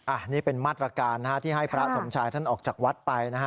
อันนี้เป็นมัดประการที่ให้พระสมชายท่านออกจากวัดไป